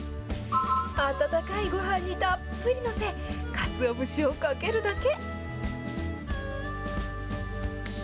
温かいごはんにたっぷり載せ、かつお節をかけるだけ。